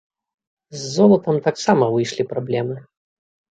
З золатам таксама выйшлі праблемы.